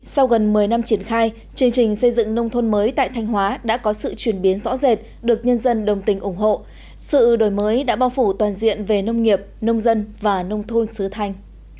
sau gần một mươi năm triển khai chương trình xây dựng nông thôn mới tại thanh hóa đã có sự chuyển biến rõ rệt được nhân dân đồng tình ủng hộ sự đổi mới đã bao phủ toàn diện về nông nghiệp nông dân và nông thôn xứ thanh